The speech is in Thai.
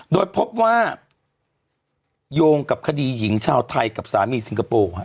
โดยพบว่าโยงกับคดีหญิงชาวไทยกับสามีสิงคโปร์